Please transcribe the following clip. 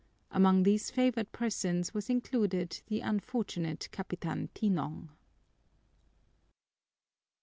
Among these favored persons was included the unfortunate Capitan Tinong.